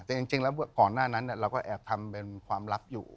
แต่จริงแล้วก่อนหน้านั้นเราก็แอบทำเป็นความลับอยู่